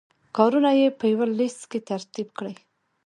کارونه یې په یوه لست کې ترتیب کړئ.